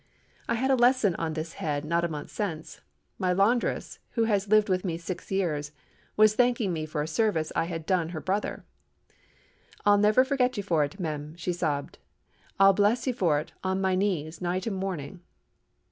I had a lesson on this head not a month since. My laundress, who has lived with me six years, was thanking me for a service I had done her brother. "'I'll never forget you for it, mem,' she sobbed. 'I'll bless you for it, on me knees, night and morning.